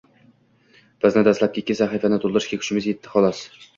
Bizni dastlabki ikki sahifani to‘ldirishga kuchimiz yetdi xolos